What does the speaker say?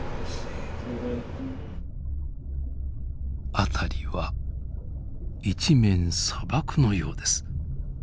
辺りは一面砂漠のようです。